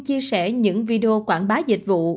chia sẻ những video quảng bá dịch vụ